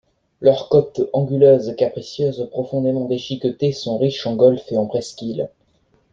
Leurs côtes anguleuses, capricieuses, profondément déchiquetées, sont riches en golfes et en presqu’îles.